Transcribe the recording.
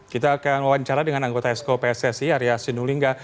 kita akan wawancara dengan anggota skpssi arya sinulinga